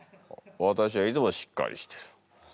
わたしはいつもしっかりしてる。